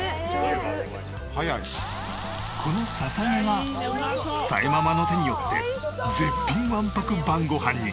このささげがさえママの手によって絶品１泊晩ご飯に！